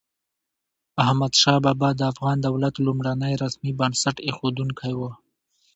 احمد شاه بابا د افغان دولت لومړنی رسمي بنسټ اېښودونکی و.